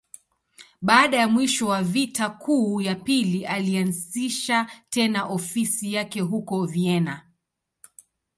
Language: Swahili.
Baada ya mwisho wa Vita Kuu ya Pili, alianzisha tena ofisi yake huko Vienna.